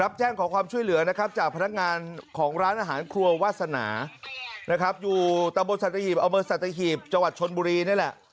แจ้งขอความช่วยเหลือนะครับจากพนักงานของร้านอาหารครัววาสนานะครับอยู่ตะบนสัตหีบอำเภอสัตหีบจังหวัดชนบุรีนี่แหละ